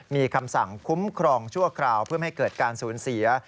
มีคำสั่งคุ้มครองชั่วคราวเพื่อไม่ให้เกิดการสูญเสีย